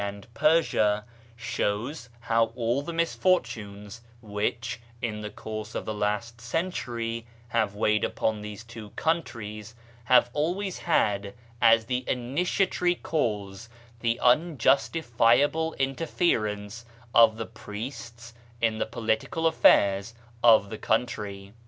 BAHAISM AND THE STATE 115 and Persia, shows how all the misfortunes which, in the course of the last century, have weighed upon these two countries, have always had as the initiatory cause the unjustifiable interference of the priests in the political affairs of the country.